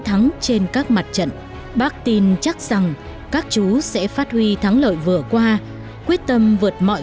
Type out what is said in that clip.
thắng trên các mặt trận bác tin chắc rằng các chú sẽ phát huy thắng lợi vừa qua quyết tâm vượt mọi